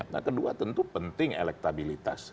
nah kedua tentu penting elektabilitas